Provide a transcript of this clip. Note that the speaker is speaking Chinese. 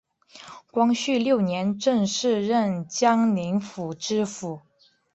光绪六年正式任江宁府知府。